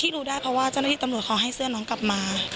รู้ได้เพราะว่าเจ้าหน้าที่ตำรวจเขาให้เสื้อน้องกลับมา